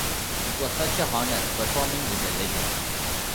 "It was such an honour performing with a legend".